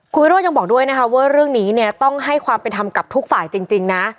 คุณวิโรธยังบอกด้วยนะคะว่าเรื่องนี้เนี่ยต้องให้ความเป็นธรรมกับทุกฝ่ายจริงนะ